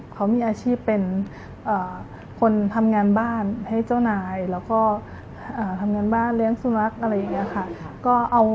เขามีอาชีพเป็นคนทำงานบ้านให้เจ้านายแล้วก็ทำงานบ้านเลี้ยงสุนัขอะไรอย่างนี้ค่ะ